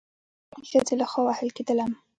زه د خځې له خوا وهل کېدلم